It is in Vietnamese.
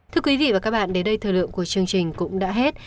thưa quý vị và các bạn đến đây thời lượng của chương trình cũng đã hết